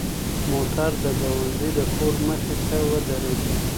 موټر د ګاونډي د کور مخې ته ودرېد.